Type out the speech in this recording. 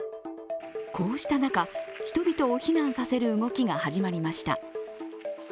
こうした中、人々を避難させる動きが始まりました。